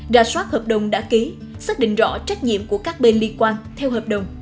ra soát hợp đồng đã ký xác định rõ trách nhiệm của các bên liên quan theo hợp đồng